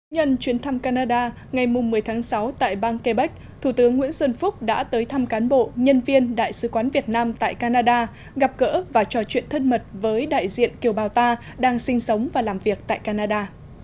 nhân chuyến thăm canada ngày một mươi tháng sáu tại bang quebec thủ tướng nguyễn xuân phúc đã tới thăm cán bộ nhân viên đại sứ quán việt nam tại canada gặp gỡ và trò chuyện thân mật với đại diện kiều bào ta đang sinh sống và làm việc tại canada